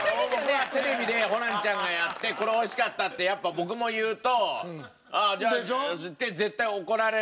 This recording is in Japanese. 僕はテレビでホランちゃんがやってこれ美味しかったってやっぱ僕も言うと「あっじゃあ」って絶対怒られるから。